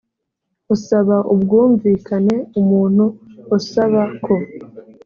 usaba ubwumvikane umuntu usaba ko